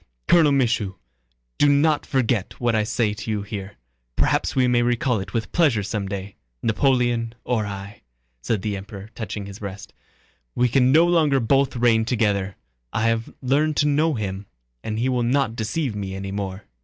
"Colonel Michaud, do not forget what I say to you here, perhaps we may recall it with pleasure someday... Napoleon or I," said the Emperor, touching his breast. "We can no longer both reign together. I have learned to know him, and he will not deceive me any more...."